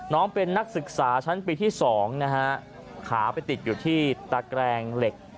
น้องเป็นนักศึกษาชั้นปีที่๒นะฮะขาไปติดอยู่ที่ตะแกรงเหล็ก